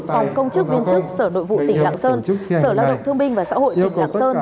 phòng công chức viên chức sở nội vụ tỉnh lạng sơn sở lao động thương binh và xã hội tỉnh lạng sơn